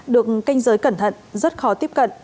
được canh giới cẩn thận rất khó tiếp cận